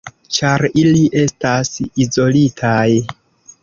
Ĉar ili estas izolitaj.